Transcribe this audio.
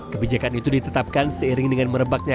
kebijakan itu ditetapkan seiring dengan merebaknya